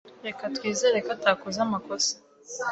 Reka twizere ko atakoze amakosa.